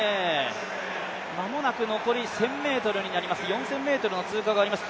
間もなく残り１０００ｍになります、４０００ｍの通過があります。